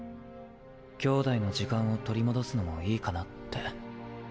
兄妹の時間を取り戻すのもいいかなって。